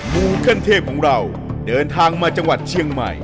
มูขั้นเทพของเราเดินทางมาจังหวัดเชียงใหม่